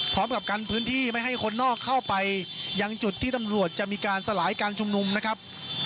พร้อมกับกันพื้นที่ไม่ให้คนนอกเข้าไปยังจุดที่ตำรวจจะมีการสลายการชุมนุมนะครับ